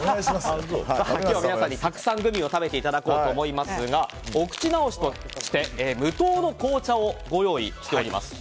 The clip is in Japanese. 今日は皆さんにたくさんグミを食べていただこうと思いますがお口直しとして、無糖の紅茶をご用意しております。